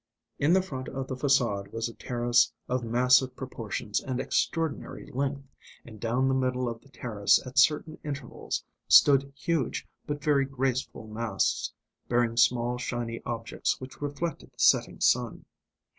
In the front of the façade was a terrace of massive proportions and extraordinary length, and down the middle of the terrace, at certain intervals, stood huge but very graceful masts, bearing small shiny objects which reflected the setting sun.